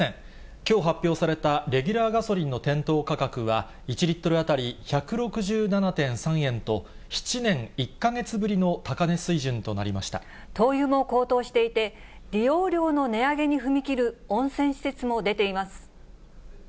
きょう発表されたレギュラーガソリンの店頭価格は、１リットル当たり１６７．３円と７年１か月ぶりの高値水準となり灯油も高騰していて、利用料の値上げに踏み切る温泉施設も出ています。